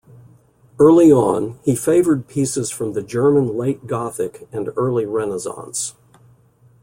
Early on, he favored pieces from the German late Gothic and early Renaissance.